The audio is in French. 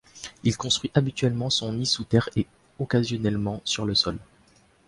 Il construit habituellement son nid sous terre et occasionnellement sur le sol.